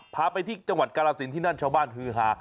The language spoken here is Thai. พาไปที่จังหวัดกาลสินที่นั่นชาวบ้านฮือฮา